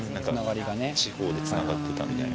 地方でつながってたみたいな。